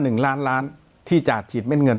อันนั้น๒๐๐๐๐๐บาทรวมเป็น๑ยานที่จัดชีดเงิน